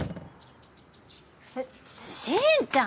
えっ進ちゃん